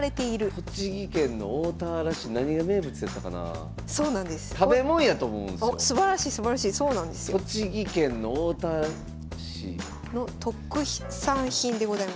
栃木県の大田原市。の特産品でございます。